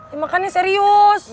dimakan nih serius